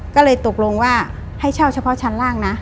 ก็เลยตกลงว่าให้เช่าเฉพาะชั้นล่างนะ